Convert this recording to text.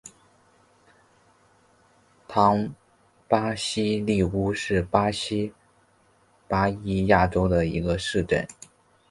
唐巴西利乌是巴西巴伊亚州的一个市镇。